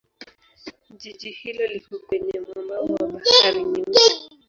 Jiji hilo liko kwenye mwambao wa Bahari Nyeusi.